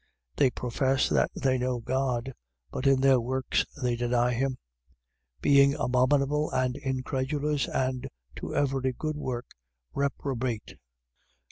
1:16. They profess that they know God: but in their works they deny him: being abominable and incredulous and to every good work reprobate.